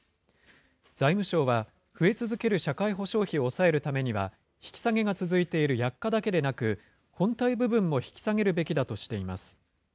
財務省は、増え続ける社会保障費を抑えるためには、引き下げが続いている薬価だけでなく、本体部分も引き下げるべきだとしています。